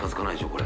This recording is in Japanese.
これ。